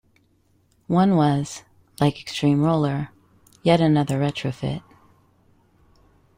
One was, like "Extremeroller", yet another retrofit.